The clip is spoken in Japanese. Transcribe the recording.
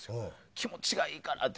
気持ちがいいからって。